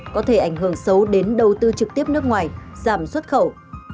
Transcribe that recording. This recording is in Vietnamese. có thể ảnh hưởng xấu đến đầu tư trực tiếp nước ngoài giảm xuất khẩu